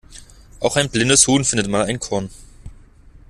Auch ein blindes Huhn findet mal ein Korn.